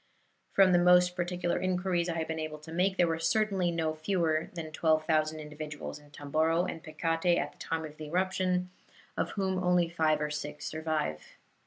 From the most particular inquiries I have been able to make, there were certainly no fewer than 12,000 individuals in Tomboro and Pekate at the time of the eruption, of whom only five or six survive.